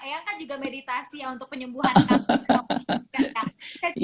eyang kan juga meditasi untuk penyembuhan